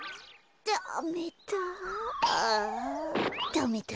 ダメだ。